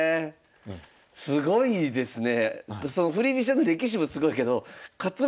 すごいですね。